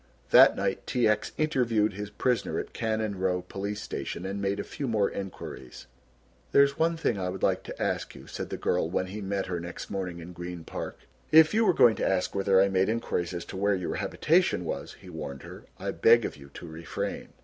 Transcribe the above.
That night T. X. interviewed his prisoner at Cannon Row police station and made a few more enquiries. "There is one thing I would like to ask you," said the girl when he met her next morning in Green Park. "If you were going to ask whether I made enquiries as to where your habitation was," he warned her, "I beg of you to refrain."